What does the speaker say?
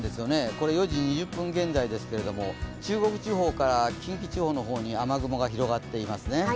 これ４時２０分現在ですけども、中国地方から近畿地方の方に雨雲が広がっていますね。